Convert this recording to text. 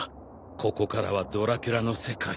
ここからはドラキュラの世界。